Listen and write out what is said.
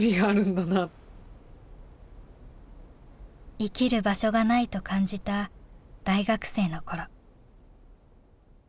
生きる場所がないと感じた大学生の頃。